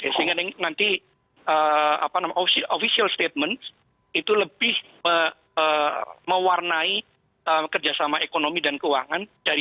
sehingga nanti official statement itu lebih mewarnai kerjasama ekonomi dan keuangan